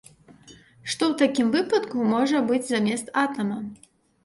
Што ў такім выпадку можа быць замест атама?